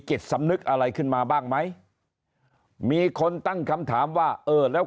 จิตสำนึกอะไรขึ้นมาบ้างไหมมีคนตั้งคำถามว่าเออแล้ว